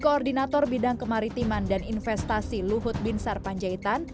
koordinator bidang kemaritiman dan investasi luhut bin sarpanjaitan